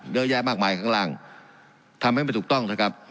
เยอะแยะมากมายข้างล่างทำให้มันถูกต้องนะครับ